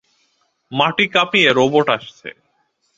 মাটি কাঁপিয়ে রোবট আসছে।